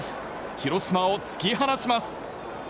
広島を突き放します。